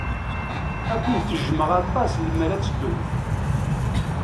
Ad kent-jjmeɣ aṭas lemmer ad teddumt.